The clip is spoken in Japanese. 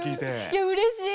いやうれしい！